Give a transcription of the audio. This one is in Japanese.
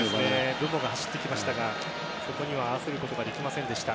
ブモが走っていきましたがそこには合わせることができませんでした。